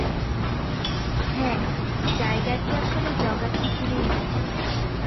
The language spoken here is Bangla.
হ্যাঁ, জায়গাটি আসলে জগাখিচুড়ির মত।